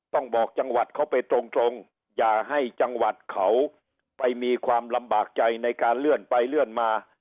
ต้องบอกจังหวัดเขาไปตรงอย่าให้จังหวัดเขาไปมีความลำบากใจในการเลื่อนไปเลื่อนมา